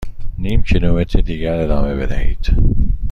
نیم کیلومتر دیگر ادامه بدهید.